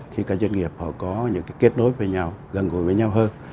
khi các doanh nghiệp họ có những kết nối với nhau gần gũi với nhau hơn